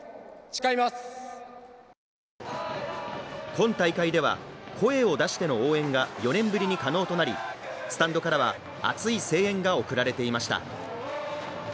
今大会では声を出しての応援が４年ぶりに可能となりスタンドからは熱い声援が送られていました。